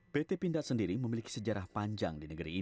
pt pindad sendiri memiliki sejarah panjang